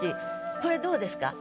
これどうですか？